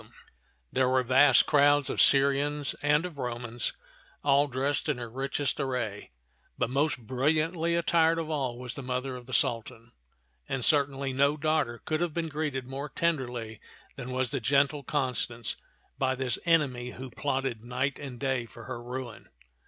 6o ti}t (man of ^(XW'b €ak There were vast crowds of Syrians and of Romans, all dressed in their richest array, but most brilliantly attired of all was the mother of the Sultan; and cer tainly no daughter could have been greeted more ten derly than was the gentle Constance by this enemy who plotted night and day for her ruin.